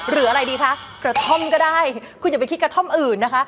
หรืออะไรดีคะกระท่อมก็ได้คุณอย่าไปที่กระท่อมอื่นนะคะ